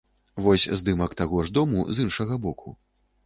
Вось здымак таго ж дому з іншага боку.